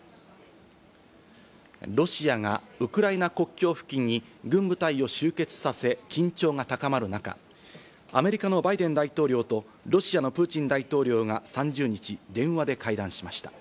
ロシアがウクライナ国境付近に軍部隊を集結させ緊張が高まる中、アメリカのバイデン大統領とロシアのプーチン大統領が３０日、電話で会談しました。